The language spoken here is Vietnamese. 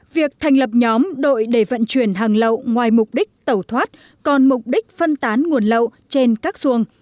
việc thành lập nhóm đội để vận chuyển hàng lậu ngoài mục đích tẩu thoát còn mục đích phân tán nguồn lậu trên các xuồng